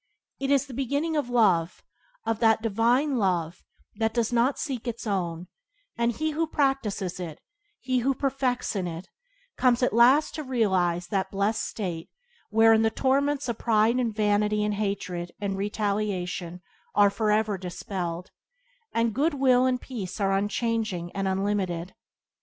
It is the beginning of love, of that divine love that does not seek its own; and he who practices it, who perfects himself in it, comes at last to realize that blessed state wherein the torments of pride and vanity and hatred and retaliation are forever dispelled, and good will and peace are unchanging and unlimited.